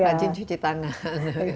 wajin cuci tangan